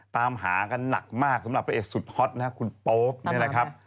ตามหากันหนักมากสำหรับพระเอกสุดฮอตนะครับคุณโป๊ปเนี่ยนะครับ